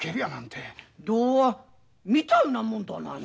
童話みたいなもんとは何や？